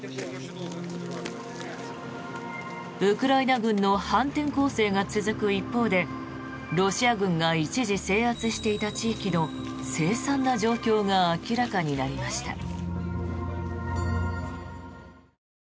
ウクライナ軍の反転攻勢が続く一方でロシア軍が一時制圧していた地域のせい惨な状況が明らかになりました。